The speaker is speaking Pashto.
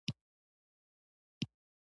پکتیکا د افغانستان د ملي هویت نښه ده.